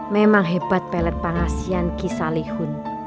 memang hebat pelet pengasihan kisah lihun